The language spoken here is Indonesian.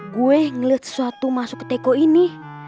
gue ngeliat sesuatu masuk ke teko ini